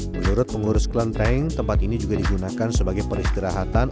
menurut pengurus kelenteng tempat ini juga digunakan sebagai peristirahatan